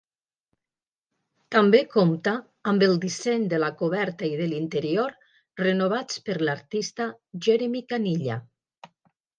També compta amb el disseny de la coberta i de l'interior renovats per l'artista Jeremy Caniglia.